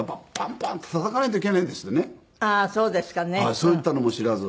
そういったのも知らず。